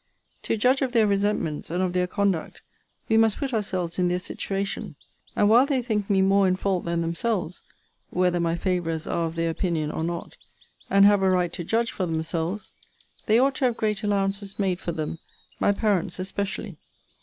To judge of their resentments, and of their conduct, we must put ourselves in their situation: and while they think me more in fault than themselves, (whether my favourers are of their opinion, or not,) and have a right to judge for themselves, they ought to have great allowances made for them; my parents especially.